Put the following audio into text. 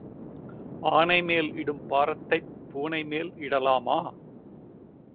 ஆனைமேல் இடும் பாரத்தைப் பூனை மேல் இடலாமா?